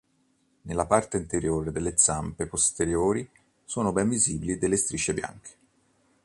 Nella parte anteriore delle zampe posteriori sono ben visibili delle strisce bianche.